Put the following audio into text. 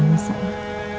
kamu kenapa menangis